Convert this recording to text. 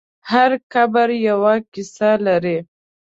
هر قبر یوه کیسه لري.